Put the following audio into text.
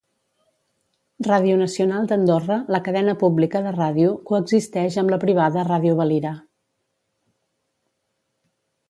Radio Nacional d'Andorra, la cadena pública de ràdio, coexisteix amb la privada Ràdio Valira.